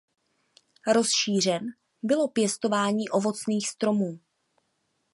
Rozšířen bylo pěstování ovocných stromů.